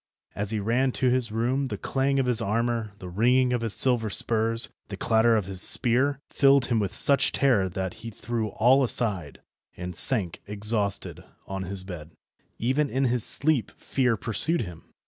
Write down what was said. As he ran to his room the clang of his armour, the ringing of his silver spurs, the clatter of his spear, filled him with such terror that he threw all aside, and sank exhausted on his bed. Even in his sleep fear pursued him.